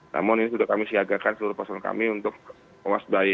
namun ini sudah kami siagakan seluruh paslon kami untuk mewas bayi